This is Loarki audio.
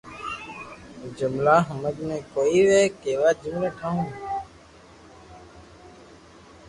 جملا ھمج مي ڪوئي َوي ڪيوا جمللا ٺاو